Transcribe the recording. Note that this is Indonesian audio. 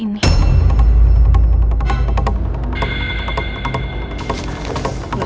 ini kan surat kepolisian